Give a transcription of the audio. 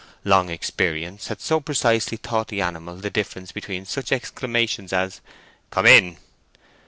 Long experience had so precisely taught the animal the difference between such exclamations as "Come in!"